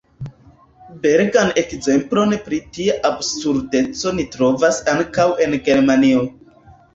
Belegan ekzemplon pri tia absurdeco ni trovas ankaŭ en Germanio.